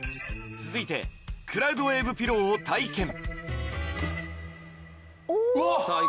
続いてクラウドウェーブピローを体験おおっさあ